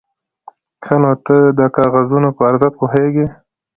_ښه، نو ته د کاغذونو په ارزښت پوهېږې؟